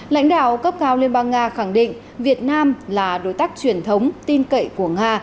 lãnh đạo cấp cao liên bang nga khẳng định việt nam là đối tác truyền thống tin cậy của nga